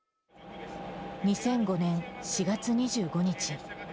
２００５年４月２５日。